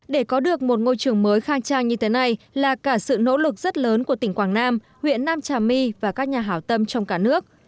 để có được một ngôi trường mới khang trang như thế này là cả sự nỗ lực rất lớn của tỉnh quảng nam huyện nam trà my và các nhà hảo tâm trong cả nước